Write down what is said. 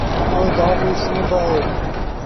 ائيٚݩ گھر ريٚ سُون با اهي۔